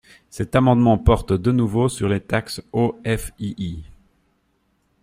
Cet amendement porte de nouveau sur les taxes OFII.